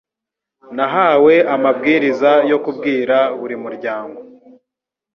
Nahawe amabwiriza yo kubwira buri muryango